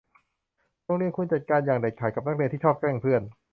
โรงเรียนควรจัดการอย่างเด็ดขาดกับนักเรียนที่ชอบแกล้งเพื่อน